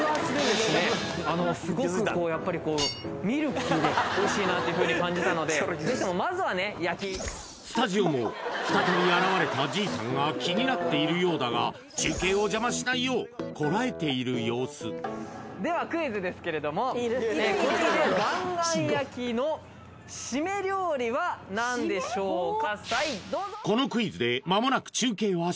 すごくこうやっぱりこうミルキーでおいしいなっていうふうに感じたのでぜひともまずはねスタジオも再び現れた爺さんが気になっているようだが中継を邪魔しないようこらえている様子ではクイズですけれどもガンガン焼きのシメ料理は何でしょうか？